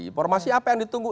informasi apa yang ditunggu